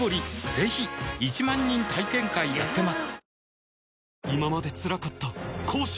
ぜひ１万人体験会やってますはぁ。